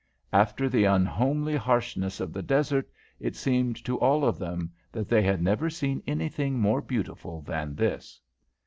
After the unhomely harshness of the desert, it seemed to all of them that they had never seen anything more beautiful than this.